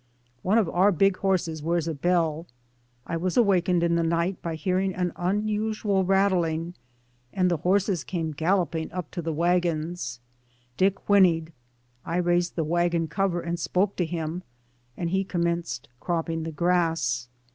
One of our big horses wears a bell. I was awakened DAYS ON THE ROAD. 213 in the night by hearing an unusual ratthng, and the horses came galloping up to the wagons. Dick whinnied. I raised the wagon cover and spoke to him, and he com menced cropping the grass.